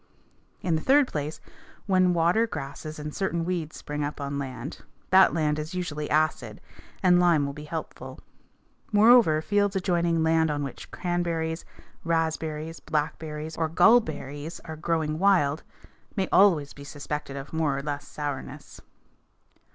In the third place, when water grasses and certain weeds spring up on land, that land is usually acid, and lime will be helpful. Moreover, fields adjoining land on which cranberries, raspberries, blackberries, or gallberries are growing wild, may always be suspected of more or less sourness.